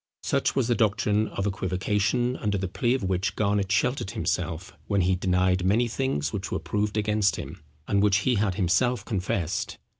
Such was the doctrine of equivocation, under the plea of which Garnet sheltered himself when he denied many things which were proved against him, and which he had himself confessed.